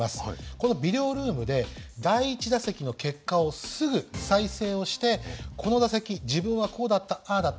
このビデオルームで第１打席の結果をすぐ再生をしてこの打席自分はこうだったああだった